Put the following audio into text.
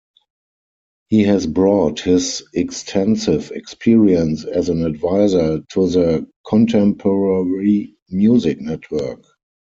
He has brought his extensive experience, as an advisor, to the Contemporary Music Network.